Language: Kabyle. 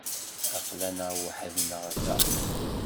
Aql-aneɣ weḥd-neɣ da.